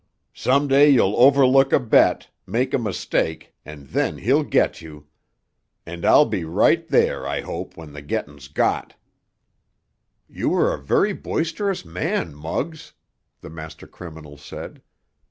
Some day you'll overlook a bet, make a mistake, and then he'll get you. And I'll be right there, I hope when the gettin's got!" "You are a very boisterous man, Muggs," the master criminal said.